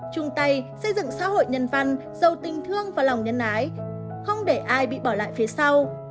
chung tay xây dựng xã hội nhân văn giàu tình thương và lòng nhân ái không để ai bị bỏ lại phía sau